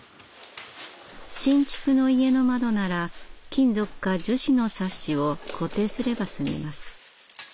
新築の家の窓なら金属か樹脂のサッシを固定すれば済みます。